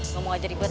ngomong aja dikit